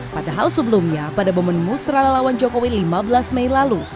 padahal sebelumnya pada momen musrah lelawan jokowi lima belas mei lalu